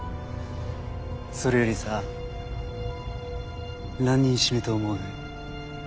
それよりさ何人死ぬと思う？